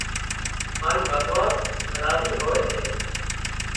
هانَ ڀڳوان راضي هوئي سي